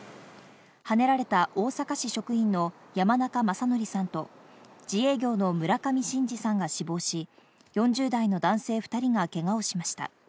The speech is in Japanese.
はねられた大阪市職員の山中正規さんと自営業の村上伸治さんが死亡し、４０代の男性２人がけがをしました。